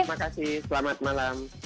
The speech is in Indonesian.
terima kasih selamat malam